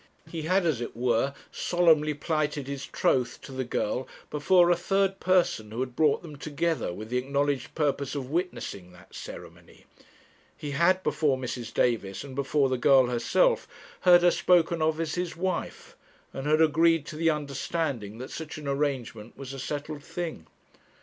He had, as it were, solemnly plighted his troth to the girl before a third person who had brought them together, with the acknowledged purpose of witnessing that ceremony. He had, before Mrs. Davis, and before the girl herself, heard her spoken of as his wife, and had agreed to the understanding that such an arrangement was a settled thing.